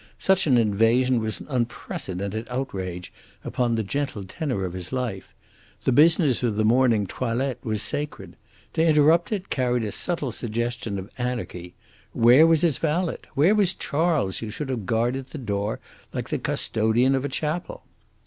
Such an invasion was an unprecedented outrage upon the gentle tenor of his life. The business of the morning toilette was sacred. To interrupt it carried a subtle suggestion of anarchy. Where was his valet? Where was Charles, who should have guarded the door like the custodian of a chapel?